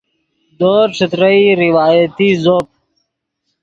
دورز ݯترئی روایتی زوپ